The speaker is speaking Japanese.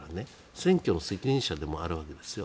選挙の責任者でもあるわけですよ。